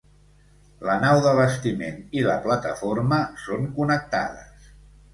La nau d'abastiment i la plataforma són connectades.